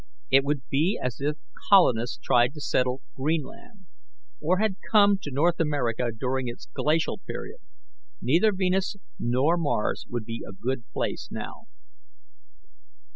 It would be as if colonists tried to settle Greenland, or had come to North America during its Glacial period. Neither Venus nor Mars would be a good place now."